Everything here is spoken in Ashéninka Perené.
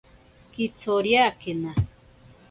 Kitsoriakena.